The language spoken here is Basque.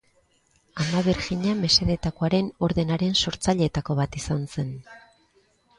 Ama Birjina Mesedetakoaren ordenaren sortzaileetako bat izan zen.